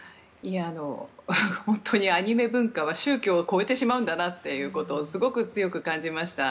本当にアニメ文化は宗教を超えてしまうんだなということをすごく強く感じました。